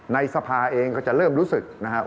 ในสภาเองก็จะเริ่มรู้สึกนะครับ